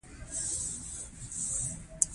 هماغه لويه کوټه وه.